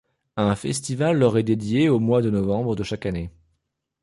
Un festival leur est dédiées au mois de novembre de chaque année.